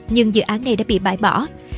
nhưng dự án này đã bị bãi bỏ